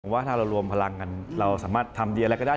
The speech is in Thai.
ว่าถ้าเรารวมพลังกันเราสามารถทำดีอะไรก็ได้